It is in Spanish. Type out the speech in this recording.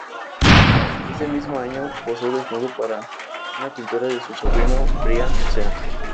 Ese mismo año, posó desnudo para una pintura de su sobrino, Brian Ocean.